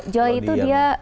joy itu dia